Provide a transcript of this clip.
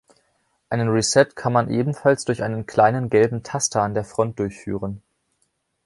Einen Reset kann man ebenfalls durch einen kleinen gelben Taster an der Front durchführen.